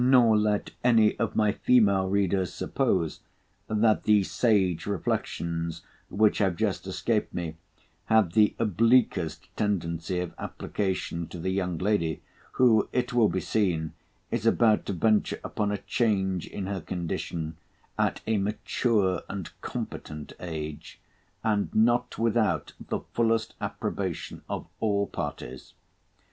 Nor let any of my female readers suppose that the sage reflections which have just escaped me have the obliquest tendency of application to the young lady, who, it will be seen, is about to venture upon a change in her condition, at a mature and competent age, and not without the fullest approbation of all parties.